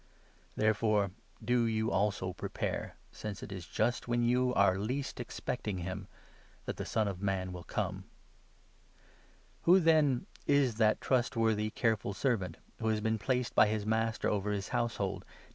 Therefore, do you 44 also prepare, since it is just when you are least expecting him that the Son of Man will come. Who, then, is 45 that trustworthy, careful servant, who has been placed bv his master over his household, to give them Parable of the